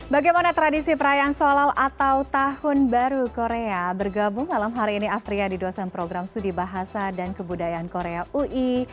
bagaimana tradisi perayaan sholal atau tahun baru korea bergabung malam hari ini afriya di dosen program sudi bahasa dan kebudayaan korea ui